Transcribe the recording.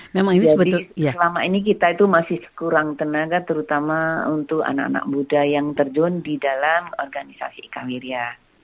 jadi selama ini kita itu masih kurang tenaga terutama untuk anak anak muda yang terjun di dalam organisasi ikan wirya